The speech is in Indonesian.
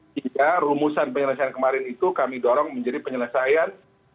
tiga rumusan penyelesaian kemarin itu kami dorong menjadi penyelesaian